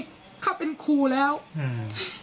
หนูก็พูดอย่างงี้หนูก็พูดอย่างงี้